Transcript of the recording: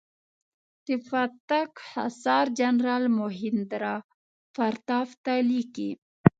د پتک حصار جنرال مهیندراپراتاپ ته لیکلي.